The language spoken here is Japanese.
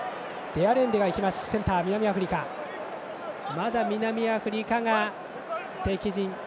まだ南アフリカが敵陣。